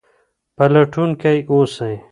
پلټونکي اوسئ.